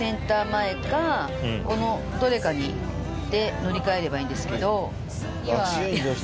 前かこのどれかに行って乗り換えればいいんですけど。